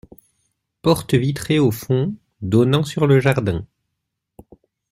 Porte vitrée au fond, donnant sur le jardin.